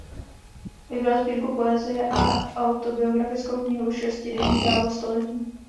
Vydal sbírku poezie a autobiografickou knihu "Šestidenní závod století".